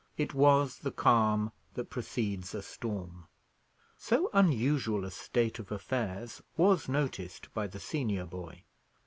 It was the calm that precedes a storm. So unusual a state of affairs was noticed by the senior boy.